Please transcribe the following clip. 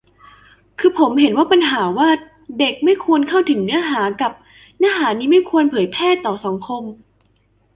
คือผมเห็นว่าปัญหาว่า "เด็กไม่ควรเข้าถึงเนื้อหา" กับ "เนื้อหานี้ไม่ควรเผยแพร่ต่อสังคม"